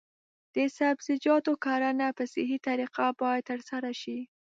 د سبزیجاتو کرنه په صحي طریقه باید ترسره شي.